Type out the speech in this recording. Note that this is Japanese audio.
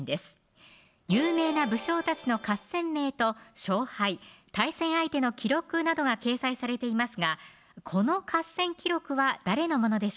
有名な武将たちの合戦名と勝敗対戦相手の記録などが掲載されていますがこの合戦記録は誰のものでしょう